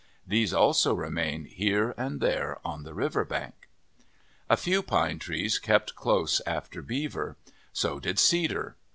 These also remain here and there on the river bank. A few Pine Trees kept close after Beaver. So did Cedar.